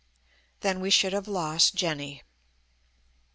"Then we should have lost Jenny."